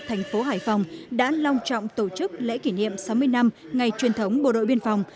thành phố hải phòng đã long trọng tổ chức lễ kỷ niệm sáu mươi năm ngày truyền thống bộ đội biên phòng